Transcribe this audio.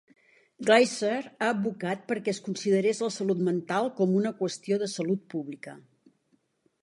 Glasser ha advocat perquè es considerés la salut mental com una qüestió de salut pública.